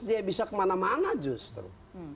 dia bisa kemana mana justru